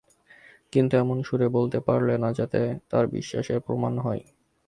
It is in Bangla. কিন্তু এমন সুরে বলতে পারলে না যাতে তার বিশ্বাসের প্রমাণ হয়।